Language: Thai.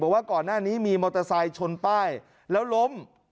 ว่าก่อนหน้านี้มีมอเตอร์ไซค์ชนป้ายแล้วล้ม